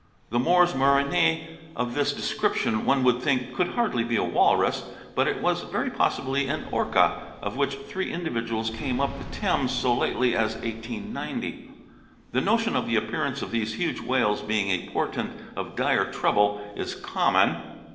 The Mors Maryne of this description, one would think, could hardly be a Walrus ; it was very possibly an Orca, of which three individuals came up the Thames so lately as 1890. The notion of the appearance of these huge whales being a portent of dire trouble is common.